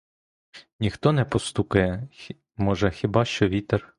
Ніхто не постукає, може, хіба що вітер.